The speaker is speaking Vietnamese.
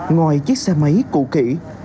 ngoài chiếc xe máy cụ kỷ